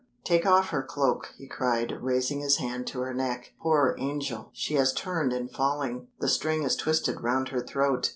"Take off her cloak," he cried, raising his hand to her neck. "Poor angel! She has turned in falling; the string is twisted round her throat."